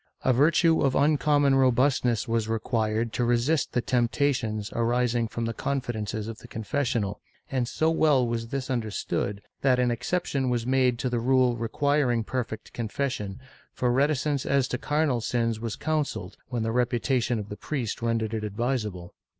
A virtue of uncommon robustness was required to resist the temptations arising from the confidences of the confessional, and so well was this understood that an excep tion was made to the rule requiring perfect confession, for reticence as to carnal sins was counselled, when the reputation of the priest rendered it advisable.